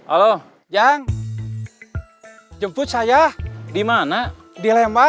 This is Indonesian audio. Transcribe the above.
aku orang nusantara